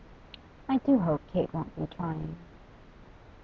'I do hope Kate won't be trying.